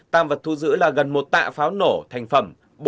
tam vật thu giữ là gần một tạ pháo nổ thành phẩm